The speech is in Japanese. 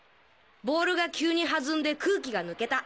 ボールが急に弾んで空気が抜けた。